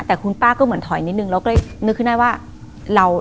แต่คุณป้าก็เหมือนถอยนิดนึงเราก็เลยนึกขึ้นได้ว่าเรา